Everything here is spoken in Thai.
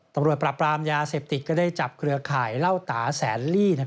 ตำรวจปราบรามยาเสพติดก็ได้จับเครือข่ายเหล้าตาแสนลี่